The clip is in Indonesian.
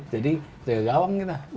jadi jaga gawang kita